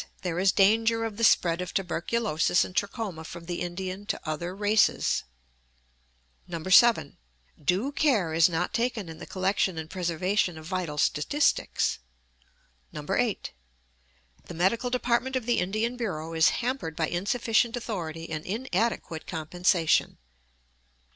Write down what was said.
There is danger of the spread of tuberculosis and trachoma from the Indian to other races. 7. Due care is not taken in the collection and preservation of vital statistics. 8. The medical department of the Indian Bureau is hampered by insufficient authority and inadequate compensation.